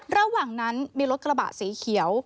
ระหว่างนั้นมีรถกระบะสีเขียว